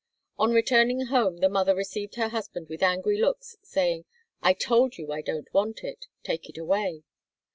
On returning home the mother received her husband with angry looks saying, "I told you I don't want it; take it away."